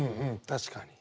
確かに。